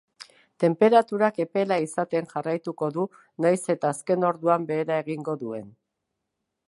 Tenperaturak epela izaten jarraituko du, nahiz eta azken orduan behera egingo duen.